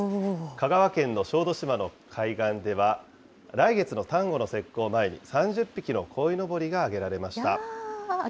香川県の小豆島の海岸では、来月の端午の節句を前に、３０匹のこいのぼりが揚げられました。